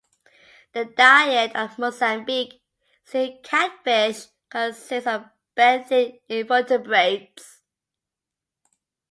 The diet of the Mozambique sea catfish consists of benthic invertebrates.